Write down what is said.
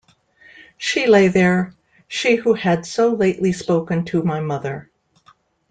She lay there, she who had so lately spoken to my mother.